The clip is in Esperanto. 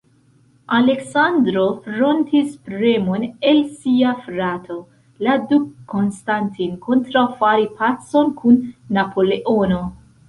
Aleksandro frontis premon el sia frato, la Duko Konstantin, kontraŭ fari pacon kun Napoleono.